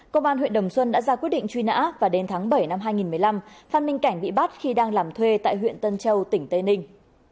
công an huyện đồng xuân đã ra quyết định truy nã và đến tháng bảy năm hai nghìn một mươi năm phan minh cảnh bị bắt khi đang làm thuê tại huyện tân châu tỉnh tây ninh